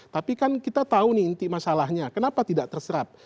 tapi kan kita tahu nih inti masalahnya kenapa tidak terserap